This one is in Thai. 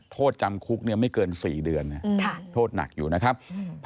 โทษจำคุกเนี่ยไม่เกิน๔เดือนโทษหนักอยู่นะครับ